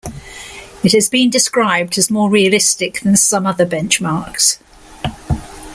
It has been described as more realistic than some other benchmarks.